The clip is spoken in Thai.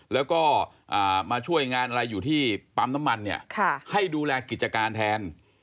แล้วก็มาช่วยงานอะไรอยู่ที่ปั๊มน้ำมันเนี่ยให้ดูแลกิจการแทน